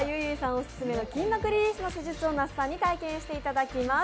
オススメの筋膜リリースの施術を那須さんに体験していただきます。